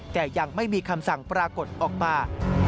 แต่ยังไม่มีคำสั่งปรากฏออกมา